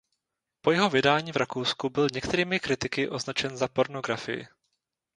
Po jeho vydání v Rakousku byl některými kritiky označen za pornografii.